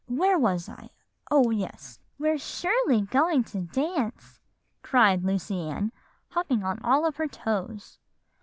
"Where was I? oh, yes; 'We're surely going to dance,' cried Lucy Ann, hopping on all her toes.